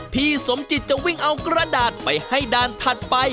พี่สมจิตจะวิ่งเอากระดาษไปให้ด่านถัดไป